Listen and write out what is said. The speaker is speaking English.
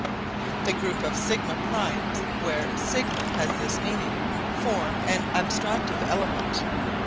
The group of σ primes, where σ has this meaning, form an abstractive element.